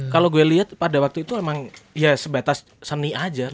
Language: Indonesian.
kalau gue lihat pada waktu itu emang ya sebatas seni aja